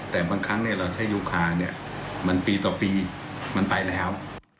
แต่บางครั้งเราใช้ยุคค่าปีต่อปีมันไปแล้ว